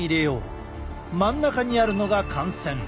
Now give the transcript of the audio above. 真ん中にあるのが汗腺。